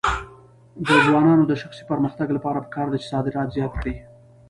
د ځوانانو د شخصي پرمختګ لپاره پکار ده چې صادرات زیات کړي.